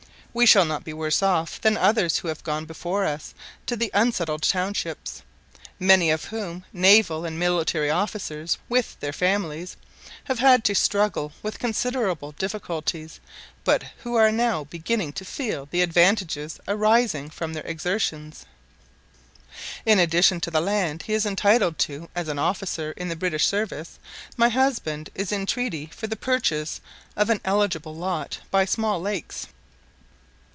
We shall not be worse off than others who have gone before us to the unsettled townships, many of whom, naval and military officers, with their families, have had to struggle with considerable difficulties, but who are now beginning to feel the advantages arising from their exertions. In addition to the land he is entitled to as an officer in the British service, my husband is in treaty for the purchase of an eligible lot by small lakes.